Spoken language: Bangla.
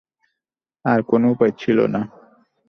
আর কোন উপায় ছিল না।